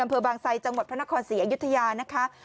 อำเภอบางไซจังหวัดพระนครศรีอยุธยานะคะ